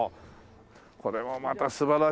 これはまた素晴らしい絶景。